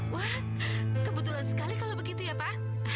wah kebetulan sekali kalau begitu ya pak